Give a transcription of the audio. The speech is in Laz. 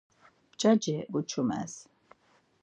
Mç̌aci guçumes.